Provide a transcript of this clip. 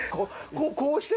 こうして？